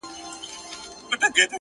که هر څو درانه بارونه چلومه!.